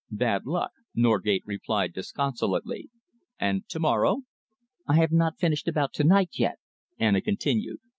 "Bad luck!" Norgate replied disconsolately. "And to morrow?" "I have not finished about to night yet," Anna continued.